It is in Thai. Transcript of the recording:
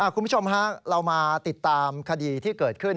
คุณผู้ชมฮะเรามาติดตามคดีที่เกิดขึ้น